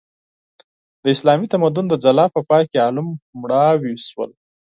د اسلامي تمدن د ځلا په پای کې علوم مړاوي شول.